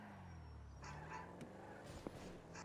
Juanita Fletcher was his mother.